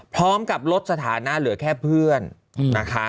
พร้อมกับลดสถานะเหลือแค่เพื่อนนะคะ